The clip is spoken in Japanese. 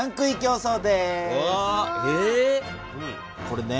これね。